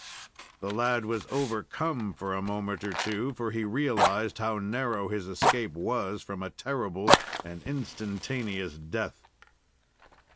The lad was overcome for a moment or two, for he realized how narrow his escape was from a terrible and instantaneous death.